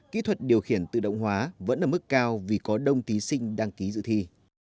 kỹ thuật điều khiển tự động hóa vẫn ở mức cao vì có đông thí sinh đăng ký dự thi